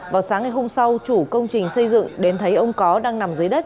vào sáng ngày hôm sau chủ công trình xây dựng đến thấy ông có đang nằm dưới đất